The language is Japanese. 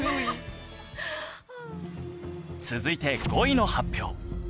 続いて５位の発表